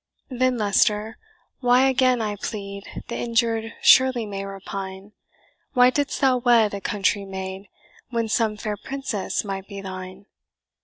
"Then, Leicester, why, again I plead (The injured surely may repine) Why didst thou wed a country maid, When some fair princess might be thine?